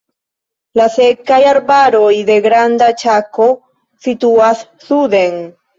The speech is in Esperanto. La sekaj arbaroj de Granda Ĉako situas suden.